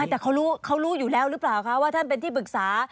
แต่เขารู้อยู่แล้วหรือเปล่าคะว่าท่านเป็นที่ปรึกษา